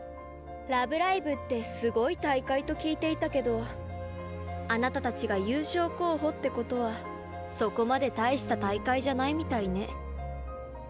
「ラブライブ！」ってすごい大会と聞いていたけどあなたたちが優勝候補ってことはそこまで大した大会じゃないみたいね。